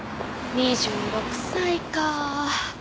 ２６歳か。